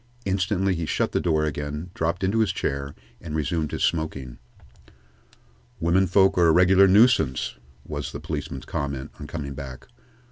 Instantly he shut the door again, dropped into his chair, and resumed his smoking. "Women folks are a regular nuisance," was the policeman's comment, on coming back.